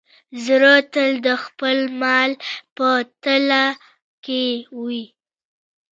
زړه تل د خپل مل په لټه کې وي.